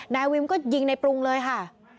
นายวิมก็ยิงในปรุงเลยค่ะ